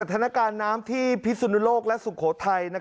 ทนการน้ำที่พิศูนโลกและสุโขทัย